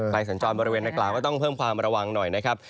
สัญจรบริเวณนักกล่าวก็ต้องเพิ่มความระวังหน่อยนะครับ